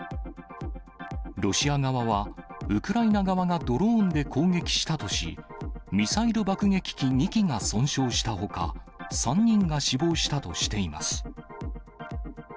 ロシア側は、ウクライナ側がドローンで攻撃したとし、ミサイル爆撃機２機が損傷したほか、３人が死亡したとしています。